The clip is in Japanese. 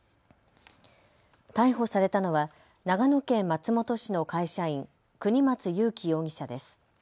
逮捕されたのは長野県松本市の会社員、國松優樹容疑者です。